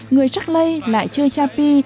người rắc lây lại chơi cha pi